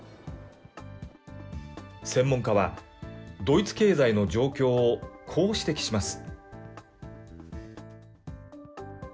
専門家は、ドイツ経済の状況をこう指摘します。